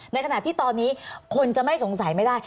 ในขณะที่ตอนนี้คนจะไม่สงสัยไม่ได้